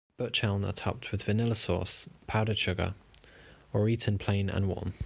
Buchteln are topped with vanilla sauce, powdered sugar or eaten plain and warm.